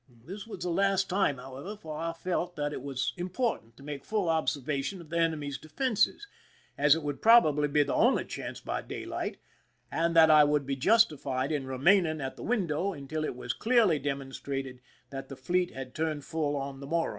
201 THE SINKING OF THE "MERRIMAC" time, however, for I felt that it was important to make full observation of the enemy's defenses, as it would probably be the only chance by daylight, and that I would be justified in remaining at the window until it was clearly demonstrated that the fleet had turned full on the Morro.